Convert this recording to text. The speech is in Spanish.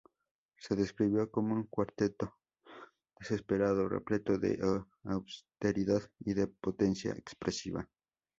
Se describió como "un cuarteto desesperado" repleto de austeridad y de potencia expresiva.